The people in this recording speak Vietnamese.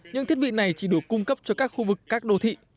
những thiết bị này chỉ được cung cấp cho các khu vực các đô thị